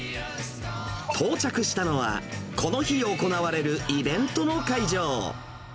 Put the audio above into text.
到着したのは、この日行われるイベントの会場。